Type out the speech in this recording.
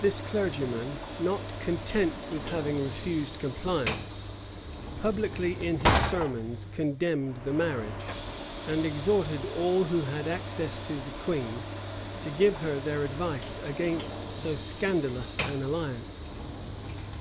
This clergyman, not content with having refused compliance, publicly in his sermons condemned the marriage, and exhorted all who had access to the queen, to give her their advice against so scandalous an alliance.